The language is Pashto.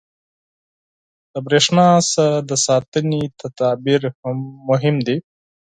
• د برېښنا څخه د ساتنې تدابیر مهم دي.